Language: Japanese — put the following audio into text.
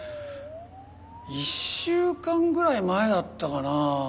１週間ぐらい前だったかな。